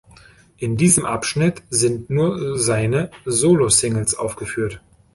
In diesem Abschnitt sind nur seine Solosingles aufgeführt.